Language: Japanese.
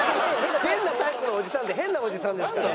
変なタイプのおじさんって変なおじさんですから。